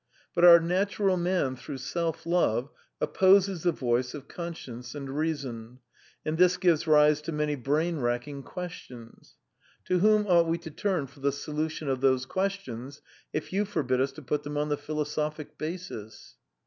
But our natural man through self love opposes the voice of conscience and reason, and this gives rise to many brain racking questions. To whom ought we to turn for the solution of those questions if you forbid us to put them on the philosophic basis?"